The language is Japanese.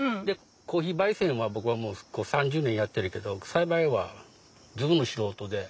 コーヒー焙煎は僕はもう３０年やってるけど栽培はズブの素人で。